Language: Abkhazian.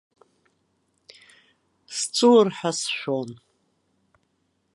Сҵәыуар ҳәа сшәон.